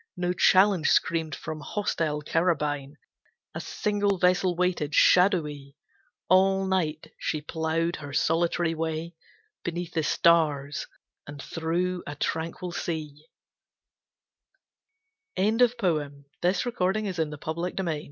No challenge screamed from hostile carabine. A single vessel waited, shadowy; All night she ploughed her solitary way Beneath the stars, and through a tranquil sea. To John Keats Great master! Boyish, sympathetic man!